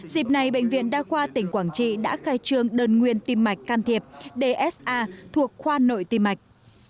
dịp này bệnh viện đa khoa tỉnh quảng trị đã khai trương đơn nguyên tim mạch can thiệp dsa thuộc khoa nội tim mạch